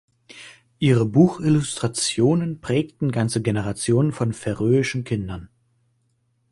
Ihre Buchillustrationen prägten ganze Generationen von färöischen Kindern.